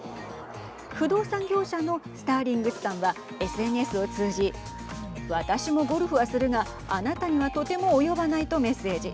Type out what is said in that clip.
不動産業者のスターリングスさんはＳＮＳを通じ私もゴルフはするがあなたにはとても及ばないとメッセージ。